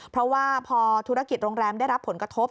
เพราะว่าพอธุรกิจโรงแรมได้รับผลกระทบ